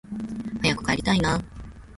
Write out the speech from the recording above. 早く帰りたいなあ